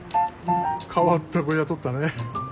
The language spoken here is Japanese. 変わった子雇ったね。